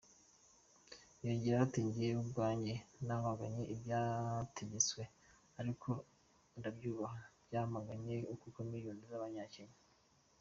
Yongeyeho ati “ Njyewe ubwanjye namaganye ibyategetswe ariko ndabyubaha; ndabyamaganye kuko miliyoni z’Abanyakenya.